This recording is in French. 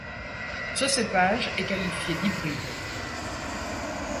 Ce cépage est qualifié d’hybride.